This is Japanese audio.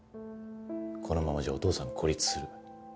このままじゃお義父さんは孤立する。